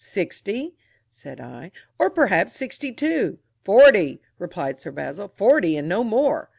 "Sixty," said I, "or perhaps sixty two." "Forty," replied Sir Basil, "forty, and no more."